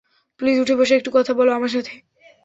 Please, উঠে বসে একটু কথা বলো আমার সাথে!